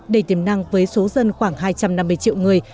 đầy tiềm năng với số dân khoảng hai trăm năm mươi triệu người